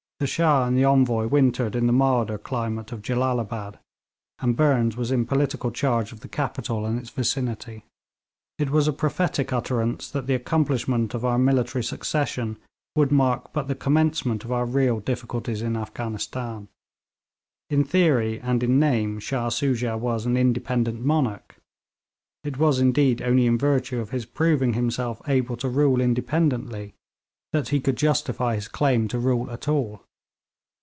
The Shah and the Envoy wintered in the milder climate of Jellalabad, and Burnes was in political charge of the capital and its vicinity. It was a prophetic utterance that the accomplishment of our military succession would mark but the commencement of our real difficulties in Afghanistan. In theory and in name Shah Soojah was an independent monarch; it was, indeed, only in virtue of his proving himself able to rule independently that he could justify his claim to rule at all.